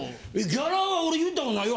ギャラは俺言ったことないわ。